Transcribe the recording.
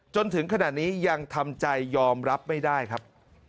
จนถึงขณะนี้ยังทำใจยอมรับไม่ได้ครับ